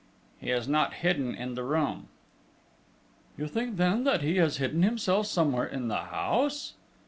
"He is not hidden in the room...." "You think then that he has hidden himself somewhere in the house?"